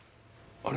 あれ？